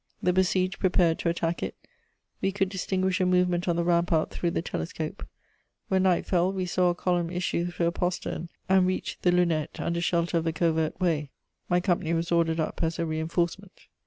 The besieged prepared to attack it; we could distinguish a movement on the rampart through the telescope. When night fell, we saw a column issue through a postern and reach the lunette under shelter of the covert way. My company was ordered up as a reinforcement.